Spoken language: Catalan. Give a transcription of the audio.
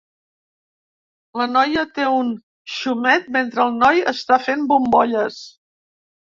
La noia té un xumet mentre el noi està fent bombolles